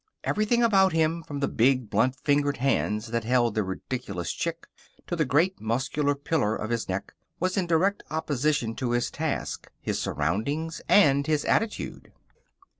Everything about him, from the big, blunt fingered hands that held the ridiculous chick to the great muscular pillar of his neck, was in direct opposition to his task, his surroundings, and his attitude.